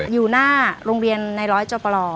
อยู่หน้าโรงเรียนในร้อยจปล